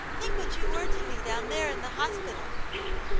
"Think what you were to me down there in the hospital."